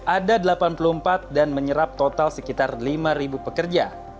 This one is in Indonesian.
ada delapan puluh empat dan menyerap total sekitar lima pekerja